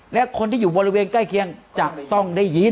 และคนที่อยู่บริเวณใกล้เคียงจะต้องได้ยิน